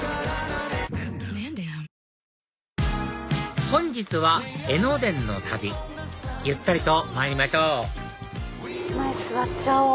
はい本日は江ノ電の旅ゆったりとまいりましょう前座っちゃおう。